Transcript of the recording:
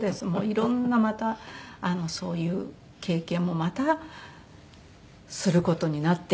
色んなそういう経験もまたする事になって。